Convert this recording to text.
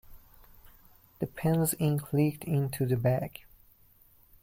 The pen's ink leaked into the bag.